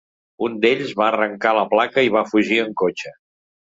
Un d’ells va arrencar la placa i va fugir en cotxe.